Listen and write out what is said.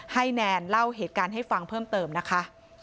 แนนเล่าเหตุการณ์ให้ฟังเพิ่มเติมนะคะ